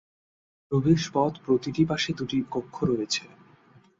প্রবেশপথ প্রতিটি পাশে দুটি কক্ষ রয়েছে।